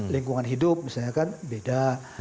lingkungan hidup misalnya kan beda